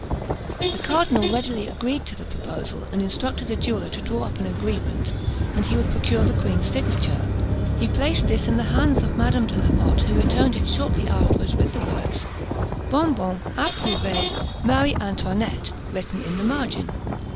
The cardinal readily agreed to the proposal, and instructed the jeweller to draw up an agreement, and he would procure the queen's signature. He placed this in the hands of Madame de la Motte, who returned it shortly afterwards, with the words, "Bon, bon approuvé Marie Antoinette," written in the margin.